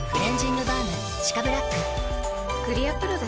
クリアプロだＣ。